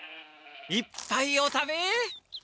いっぱいお食べ。